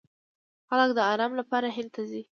خلک د ارام لپاره هند ته ځي.